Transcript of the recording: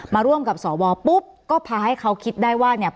มาร่วมกับสวปุ๊บก็พาให้เขาคิดได้ว่าเนี่ย